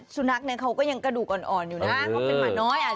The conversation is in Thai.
สุนัขเนี่ยเขาก็ยังกระดูกอ่อนอยู่นะเขาเป็นหมาน้อย